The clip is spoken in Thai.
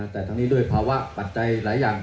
แต่ทั้งนี้ด้วยภาวะปัจจัยหลายอย่าง